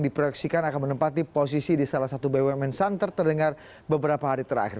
diproyeksikan akan menempati posisi di salah satu bumn center terdengar beberapa hari terakhir